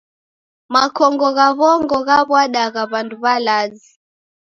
Makongo gha w'ongo ghaw'adagha w'andu w'alazi.